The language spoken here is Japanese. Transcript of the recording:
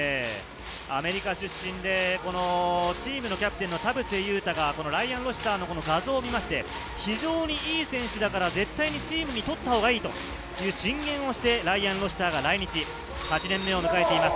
アメリカ出身でチームのキャプテンの田臥勇太がライアン・ロシターの画像を見まして、非常に良い選手だから絶対にチームに取ったほうがいいという進言をしてライアン・ロシターが来日、８年目を迎えています。